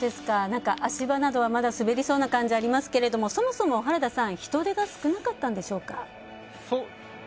足場などは滑りそうな感じありますけども、そもそも原田さん、人出が少なかったんでしょうか？